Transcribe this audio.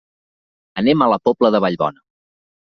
Anem a la Pobla de Vallbona.